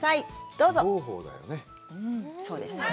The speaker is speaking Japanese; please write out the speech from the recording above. どうぞ。